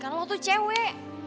karena lo tuh cewek